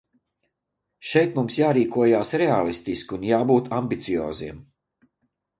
Šeit mums jārīkojas reālistiski un jābūt ambicioziem.